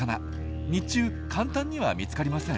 日中簡単には見つかりません。